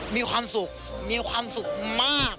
มีความสุขมีความสุขมาก